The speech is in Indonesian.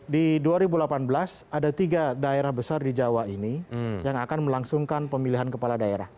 di dua ribu delapan belas ada tiga daerah besar di jawa ini yang akan melangsungkan pemilihan kepala daerah